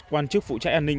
quan chức phụ trách an ninh